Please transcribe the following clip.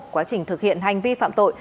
quá trình thực hiện hành vi phạm tội